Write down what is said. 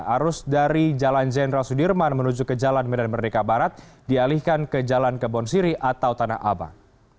arus dari jalan jenderal sudirman menuju ke jalan medan merdeka barat dialihkan ke jalan kebon siri atau tanah abang